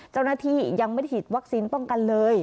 เจ้าหน้าที่ยังไม่ได้ฉีดวัคซีนป้องกันเลย